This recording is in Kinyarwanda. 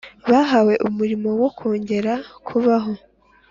bahawe umurimo wo kongera kubaka